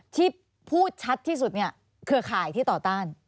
ที่พูดชัดที่สุดเนี่ยเครือข่ายที่ต่อต้าน